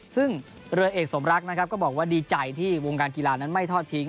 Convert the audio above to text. ซึ่งเรือเอกสมรักนะครับก็บอกว่าดีใจที่วงการกีฬานั้นไม่ทอดทิ้ง